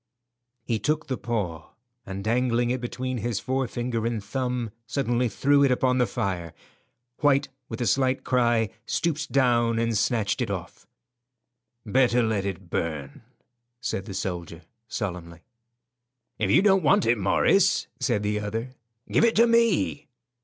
He took the paw, and dangling it between his forefinger and thumb, suddenly threw it upon the fire. White, with a slight cry, stooped down and snatched it off. "Better let it burn," said the soldier, solemnly. "If you don't want it, Morris," said the other, "give it to me."